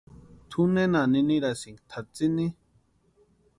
¿Tú nena ninirasïnki tʼatsïni?